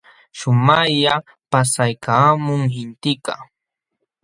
Shumaqlla paksaykaamun intikaq.